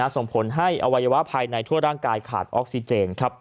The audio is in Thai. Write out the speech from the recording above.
ส่งผลให้อวัยวะภายในทั่วร่างกายขาดออกซิเจน